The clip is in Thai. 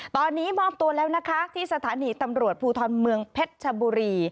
ตอนนี้มอบตัวแล้วนะคะที่สถานีตำรวจภูทรเมืองเพชรชบุรี